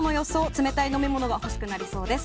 冷たい飲み物が欲しくなりそうです。